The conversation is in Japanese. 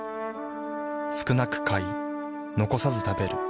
少なく買い残さず食べる。